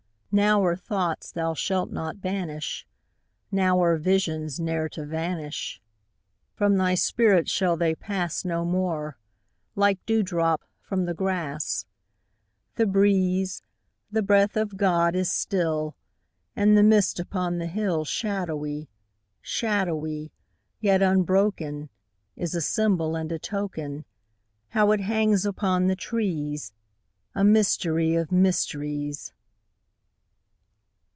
Now are thoughts thou shalt not banish Now are visions ne'er to vanish From thy spirit shall they pass No more like dew drops from the grass. The breeze the breath of God is still And the mist upon the hill Shadowy shadowy yet unbroken, Is a symbol and a token How it hangs upon the trees, A mystery of mysteries!